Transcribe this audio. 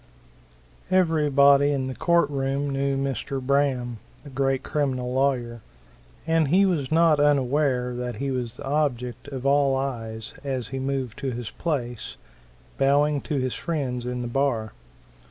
Everybody in the court room knew Mr. Braham, the great criminal lawyer, and he was not unaware that he was the object of all eyes as he moved to his place, bowing to his friends in the bar.